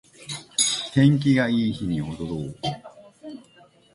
天気がいい日に踊ろう